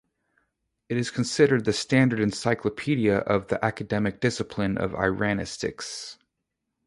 It is considered the standard encyclopaedia of the academic discipline of Iranistics.